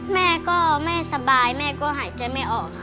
แม่ก็แม่สบายแม่ก็หายใจไม่ออกค่ะ